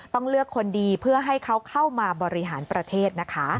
ต้องเลือกคนดีเพื่อให้เขาเข้ามาบริหารประเทศนะคะ